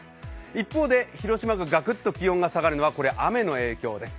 一方で広島がガクッと気温が下がるのは雨の影響です。